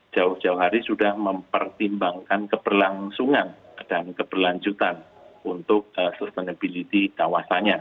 jauh jauh hari sudah mempertimbangkan keberlangsungan dan keberlanjutan untuk sustainability kawasannya